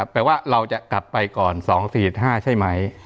แปลว่าเราจะกลับไปก่อน๒๔๕ใช่ไหม